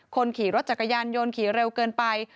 คนขี่รถจักรยานยนต์ขี่เร็วเกินไป